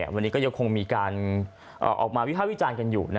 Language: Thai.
วันนี้ก็ยังคงมีการออกมาวิภาควิจารณ์กันอยู่